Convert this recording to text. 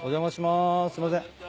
すいません。